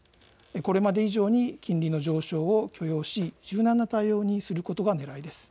これまで以上に金利の上昇を許容し、柔軟な対応をすることがねらいです。